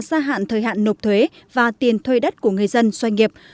gia hạn thời hạn nộp thuế và tiền thuê đất của người dân doanh nghiệp